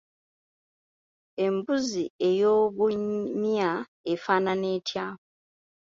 Embuzi ey’obumya efaanana etya?